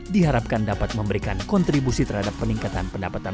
diharapkan dapat memberikan kontribusi terhadap peningkatan pendapatan